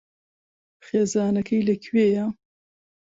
خێزانەکەی لەکوێیە؟